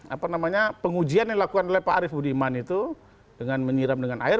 apa namanya pengujian yang dilakukan oleh pak arief budiman itu dengan menyiram dengan air